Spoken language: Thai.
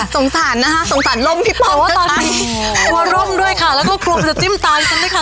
สงสารนะคะสงสารร่มพี่ปองว่าตอนนี้กลัวร่มด้วยค่ะแล้วก็กลัวมันจะจิ้มตานกันด้วยค่ะ